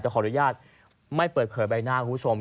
แต่ขออนุญาตไม่เปิดเผยใบหน้าคุณผู้ชม